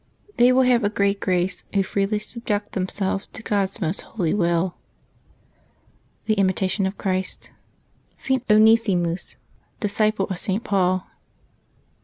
They will have a great grace who freely subject themselves to God's most holy will/' — The Imitation of Christ. ST. ONESIMUS, Disciple of St. Paul.